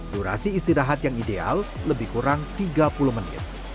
durasi istirahat yang ideal lebih kurang tiga puluh menit